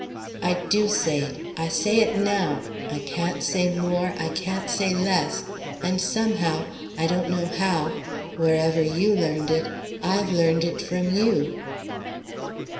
I do say it; I say it now. I can't say more; I can't say less; and somehow, I don't know how wherever you learned it I've learned it from you."